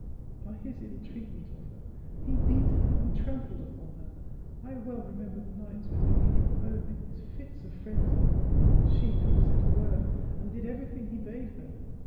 "By his ill treatment of her; he beat her and trampled upon her. I well remember the nights when he came home in his fits of frenzy. She never said a word, and did everything he bade her.